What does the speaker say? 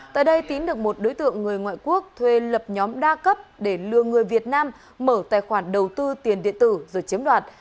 tại đây tín được một đối tượng người ngoại quốc thuê lập nhóm đa cấp để lừa người việt nam mở tài khoản đầu tư tiền điện tử rồi chiếm đoạt